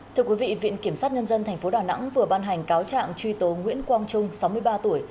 thưa quý vị viện kiểm sát nhân dân tp đà nẵng vừa ban hành cáo trạng truy tố nguyễn quang trung sáu mươi ba tuổi